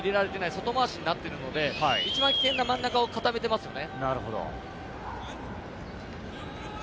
外回しになっているので、一番危険な真ん中を固めてますよね。